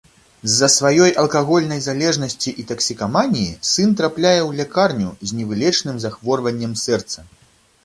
З-за сваёй алкагольнай залежнасці і таксікаманіі сын трапляе ў лякарню з невылечным захворваннем сэрца.